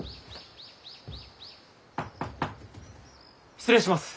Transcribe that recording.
失礼します。